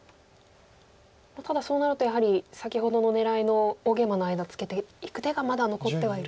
ただそうなるとやはり先ほどの狙いの大ゲイマの間ツケていく手がまだ残ってはいるんですね。